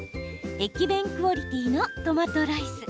駅弁クオリティーのトマトライス。